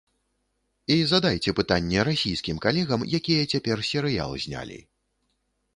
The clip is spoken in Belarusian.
І задайце пытанне расійскім калегам, якія цяпер серыял знялі.